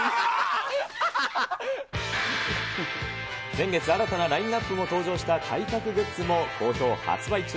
先月、新たなラインナップも登場した体格グッズも好評発売中。